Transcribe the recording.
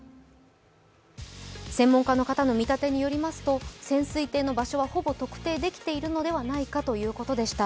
専門家の方の見立てによりますと潜水艇の場所はほぼ特定できているのではないかということでした。